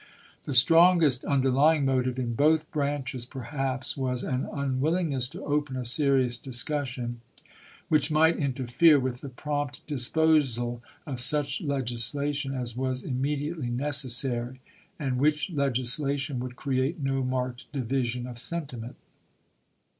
The strongest underlying motive in both branches, perhaps, was an unwillingness to open a serious discussion which might interfere with the prompt disposal of such legislation as was immedi ately necessary, and which legislation would create no marked division of sentiment.